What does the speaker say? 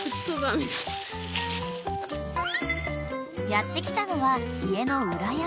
［やって来たのは家の］